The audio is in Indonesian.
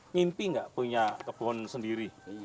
ngimpi gak punya kebun sendiri